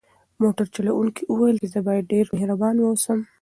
موټر چلونکي وویل چې زه باید ډېر مهربان واوسم.